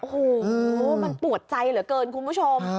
โอ้โหมันปวดใจเหลือเกินคุณผู้ชม